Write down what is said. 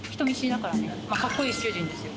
かっこいい主人ですよ。